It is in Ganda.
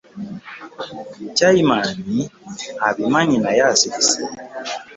Caayimaani abimanyi naye asirise.